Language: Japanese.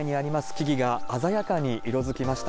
木々が鮮やかに色づきました。